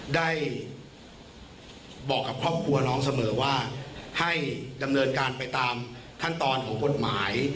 ได้บอกกับครอบครัวน้องเสมอว่าให้ดำเนินการไปตามขั้นตอนของกฎหมาย